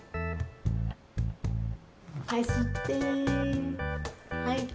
はいすってはいて。